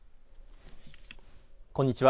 こんにちは。